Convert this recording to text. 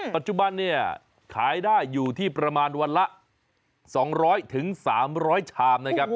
ปัจจุบันเนี่ยขายได้อยู่ที่ประมาณวันละ๒๐๐๓๐๐ชามนะครับ